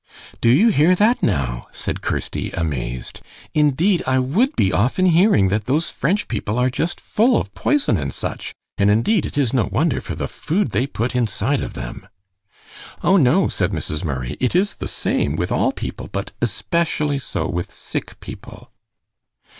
"Do you hear that now?" said Kirsty, amazed. "Indeed, I would be often hearing that those French people are just full of poison and such, and indeed, it is no wonder, for the food they put inside of them." "O, no, " said Mrs. Murray, "it is the same with all people, but especially so with sick people."